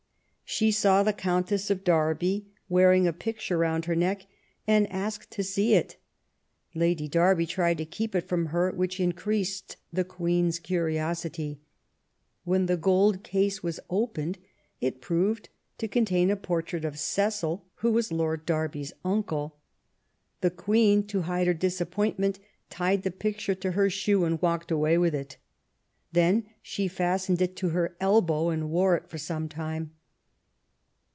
She saw the Countess of Derby wearing a picture round her neck and asked to see it. Lady Derby tried to keep it from her, which increased the Queen's curiosity. When the gold case was opened it proved to contain a portrait of Cecil, who was Lady Derby's uncle. The Queen, to hide her disappointment, tied the picture to her shoe and walked away with it. Then she fastened it to her elbow and wore it for some time.